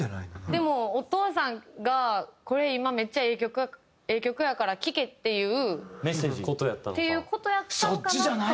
でもお父さんが「これ今めっちゃええ曲やから聴け」っていうっていう事やったのかなと。